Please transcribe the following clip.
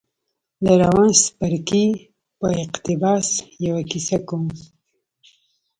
له روان څپرکي په اقتباس يوه کيسه کوم.